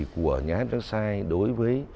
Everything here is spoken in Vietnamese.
của nhà hát vecchiai đối với